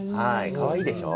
かわいいでしょう？